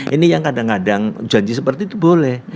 ini yang kadang kadang janji seperti itu boleh